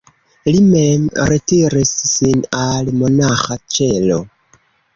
Li mem retiris sin al monaĥa ĉelo.